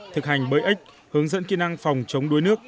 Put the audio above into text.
thực hành bơi ếch hướng dẫn kỹ năng phòng chống đuối nước